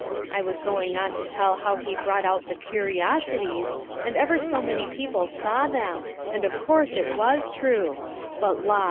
I was going on to tell how he brought, out the curiosities, and ever so many people saw them, and of course it was true; but la!